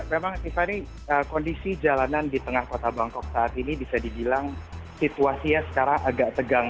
memang tiffany kondisi jalanan di tengah kota bangkok saat ini bisa dibilang situasinya sekarang agak tegang